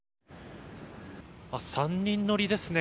３人乗りですね。